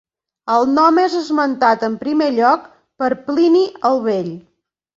El nom és esmentat en primer lloc per Plini el Vell.